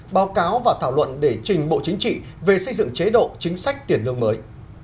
báo cáo và thảo luận để trình bộ chính trị về xây dựng chế độ chính sách tiền lương mới